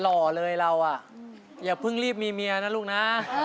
หล่อเลยเราอ่ะอย่าเพิ่งรีบมีเมียนะลูกนะ